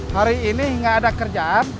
hari ini nggak ada kerjaan